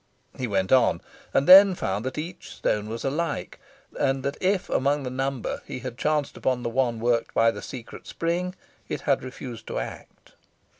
He went on, and then found that each stone was alike, and that if amongst the number he had chanced upon the one worked by the secret spring, it had refused to act.